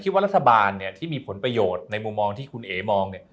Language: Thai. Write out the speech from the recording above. ว่ารัฐบาลเนี่ยที่มีผลประโยชน์ในมุมมองที่คุณเอ๋มองเนี่ย